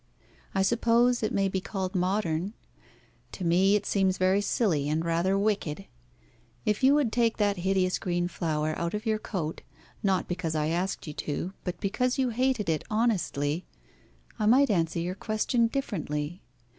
I suppose it may be called modern. To me it seems very silly and rather wicked. If you would take that hideous green flower out of your coat, not because I asked you to, but because you hated it honestly, I might answer your question differently.